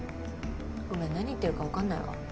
ごめん何言ってるか分かんないわ。